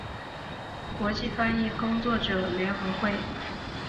国际翻译工作者联合会